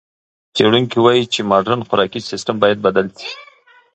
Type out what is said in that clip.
څېړونکي وايي چې مُدرن خوراکي سیستم باید بدل شي.